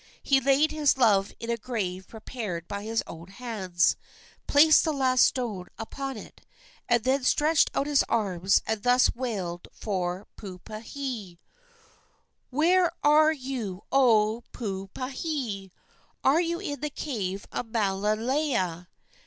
He laid his love in a grave prepared by his own hands, placed the last stone upon it, and then stretched out his arms and thus wailed for Puupehe: "Where are you, O Puupehe? Are you in the cave of Malauea?